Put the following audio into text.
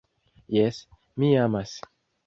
Jes, mi amas.